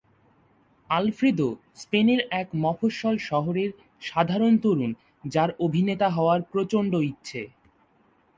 Alfredo স্পেনের এক মফস্বল শহরের সাধারণ তরুণ যার অভিনেতা হওয়ার প্রচণ্ড ইচ্ছে।